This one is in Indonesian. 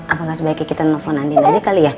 apakah sebaiknya kita nelfon andin aja kali ya